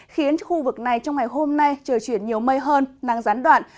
khiến khu vực này trong ngày hôm nay trời chuyển nhiều mây hơn nắng gián đoạn